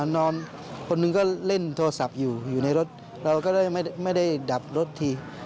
นอนคนหนึ่งก็เล่นโทรศัพท์อยู่อยู่ในรถเราก็ได้ไม่ได้ดับรถที